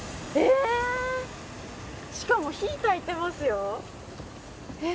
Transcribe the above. しかも、火をたいてますよ。